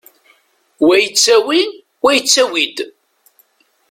Wa yettawi, wa yettawi-d.